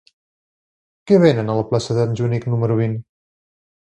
Què venen a la plaça d'en Joanic número vint?